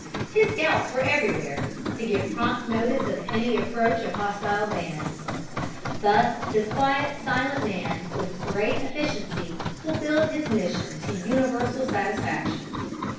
His scouts were everywhere, to give prompt notice of any approach of hostile bands. Thus this quiet, silent man, with great efficiency, fulfilled his mission to universal satisfaction.